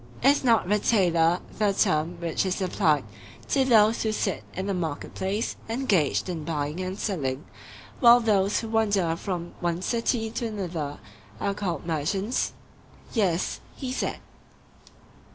Is not 'retailer' the term which is applied to those who sit in the market place engaged in buying and selling, while those who wander from one city to another are called merchants? Yes, he said.